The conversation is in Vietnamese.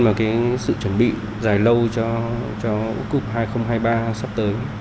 và cái sự chuẩn bị dài lâu cho quốc cung hai nghìn hai mươi ba sắp tới